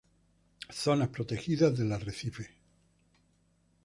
Zonas protegidas del arrecife.